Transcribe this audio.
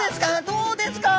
どうですか？